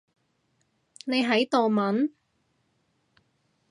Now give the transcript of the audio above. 你喺度問？